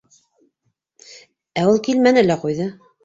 Ә ул килмәне лә ҡуйҙы.